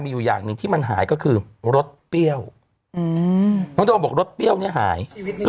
อยู่อย่างหนึ่งที่มันหายก็คือรสเปรี้ยวน้องโดมบอกรสเปรี้ยวเนี่ยหาย